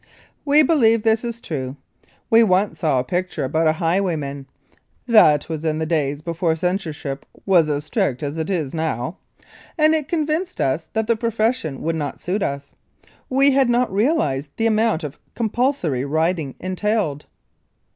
We believe this is true. We once saw a picture about a highwayman (that was in the days before censorship was as strict as it is now) and it convinced us that the profession would not suit us. We had not realized the amount of compulsory riding entailed.